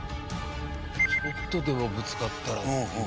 ちょっとでもぶつかったらっていうね。